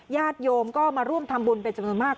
ญาติโยมก็มาร่วมทำบุญเป็นจำนวนมาก